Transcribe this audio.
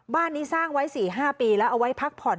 บ้านนี้สร้างไว้๔๕ปีแล้วเอาไว้พักผ่อน